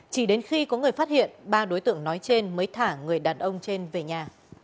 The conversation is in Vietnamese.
chỉ đến khi có người phát hiện ba đối tượng nói trên mới thả người đàn ông trên về nhà